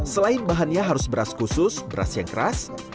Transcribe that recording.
selain bahannya harus beras khusus beras yang keras